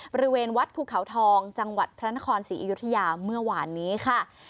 บริเวณวัดภูเขาทองจังหวัดพระนครศรีอยุธยาเมื่อวานนี้ค่ะ